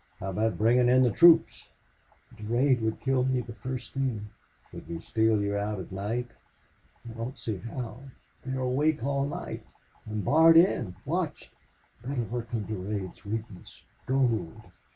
"How about bringing the troops?" "Durade would kill me the first thing." "Could we steal you out at night?" "I don't see how. They are awake all night. I am barred in, watched ... Better work on Durade's weakness. Gold!